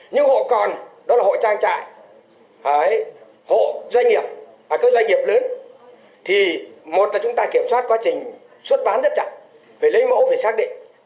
nhưng hộ còn đó là hộ trang trại hộ doanh nghiệp các doanh nghiệp lớn thì một là chúng ta kiểm soát quá trình xuất bán rất chặt phải lấy mẫu phải xác định